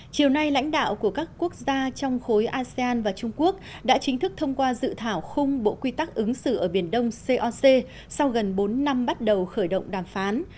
chiều nay lãnh đạo của các quốc gia trong khối asean và trung quốc đã chính thức thông qua dự thảo khung bộ quy tắc ứng xử ở biển đông coc sau gần bốn năm bắt đầu khởi động đàm phán